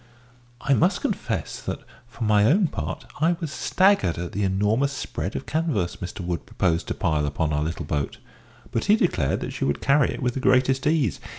I must confess that, for my own part, I was staggered at the enormous spread of canvas Mr Wood proposed to pile upon our little boat; but he declared that she would carry it with the greatest ease.